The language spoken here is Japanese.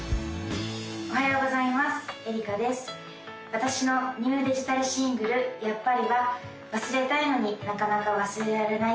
私のニューデジタルシングル「やっぱり．．．」は忘れたいのになかなか忘れられない